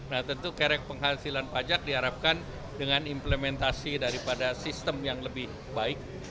nah tentu kerek penghasilan pajak diharapkan dengan implementasi daripada sistem yang lebih baik